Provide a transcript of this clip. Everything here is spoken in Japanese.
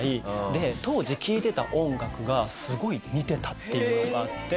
で当時聴いてた音楽がすごい似てたっていうのがあって。